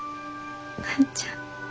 万ちゃん。